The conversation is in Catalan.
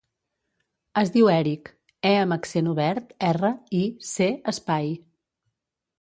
Es diu Èric : e amb accent obert, erra, i, ce, espai.